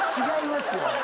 違いますよ。